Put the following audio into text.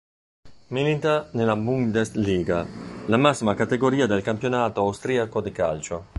Milita nella Bundesliga, la massima categoria del campionato austriaco di calcio.